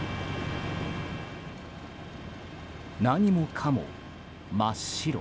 何もかも真っ白。